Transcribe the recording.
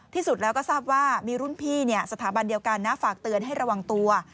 ที่สุดแล้วก็ทราบว่ามีรุ่นพี่สถาบันเดียวกันนะฝากเตือนให้ระวังตัว